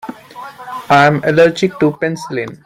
I am allergic to penicillin.